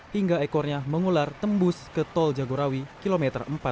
hingga ekornya mengular tembus ke tol jagorawi kilometer empat puluh